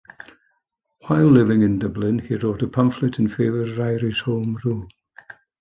While living in Dublin, he wrote a pamphlet in favour of Irish Home Rule.